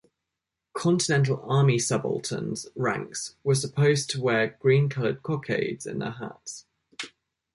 Continental Army subalterns ranks were supposed to wear green colored cockades in their hats.